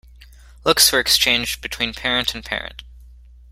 Looks were exchanged between parent and parent.